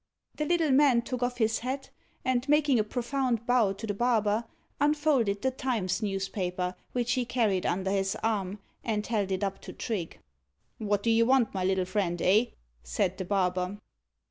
The little man took off his hat, and making a profound bow to the barber, unfolded the Times newspaper, which he carried under his arm, and held it up to Trigge. "What do you want, my little friend, eh?" said the barber.